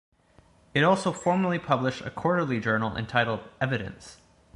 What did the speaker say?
It also formerly published a quarterly journal entitled "Evidence".